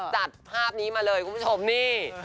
จัดภาพนี้มาเลยคุณผู้ชมนี่